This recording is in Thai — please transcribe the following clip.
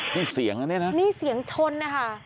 นี่เสียงนะเนี่ยนะนี่เสียงชนนะคะ